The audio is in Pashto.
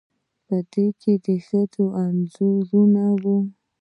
په دې کې د ښځو انځورونه وو